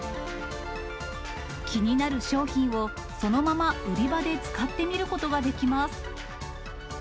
気になる商品をそのまま売り場で使ってみることができます。